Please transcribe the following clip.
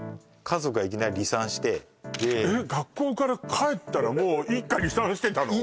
家族がいきなり離散してえっ学校から帰ったらもう一家離散してたの？